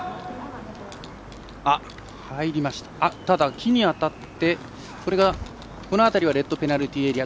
木に当たって、この辺りはレッドペナルティーエリア。